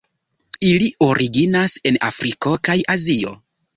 Ili originas en Afriko kaj Azio.